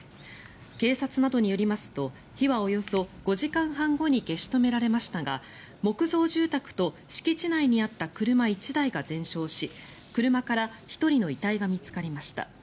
警察などによりますと火はおよそ５時間半後に消し止められましたが木造住宅と敷地内にあった車１台が全焼し車から１人の遺体が見つかりました。